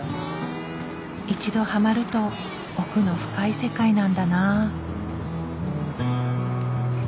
一度ハマると奥の深い世界なんだなぁ。